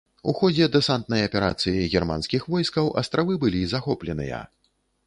У ходзе дэсантнай аперацыі германскіх войскаў астравы былі захопленыя.